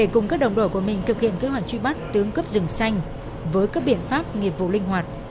cùng các đồng đội của mình thực hiện kế hoạch truy bắt tướng cấp rừng xanh với các biện pháp nghiệp vụ linh hoạt